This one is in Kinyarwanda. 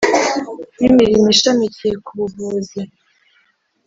w imirimo ishamikiye ku buvuzi